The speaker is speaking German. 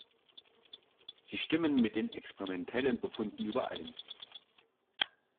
Sie stimmt mit den experimentellen Befunden überein.